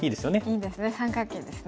いいですね三角形ですね。